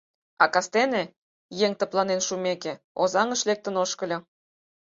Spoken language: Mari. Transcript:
А кастене, еҥ тыпланен шумеке, Озаҥыш лектын ошкыльо.